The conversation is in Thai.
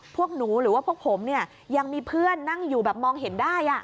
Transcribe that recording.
พวกหนูหรือว่าพวกผมเนี่ยยังมีเพื่อนนั่งอยู่แบบมองเห็นได้